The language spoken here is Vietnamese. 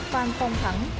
phan phong thắng